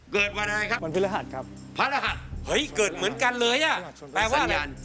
เกิดเหมือนกันเลยแปลว่าอะไร